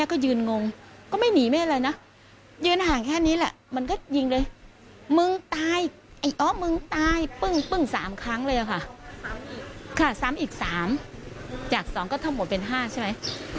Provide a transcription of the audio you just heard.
ผู้หญิงได้แบบชีวิตของอะไรไป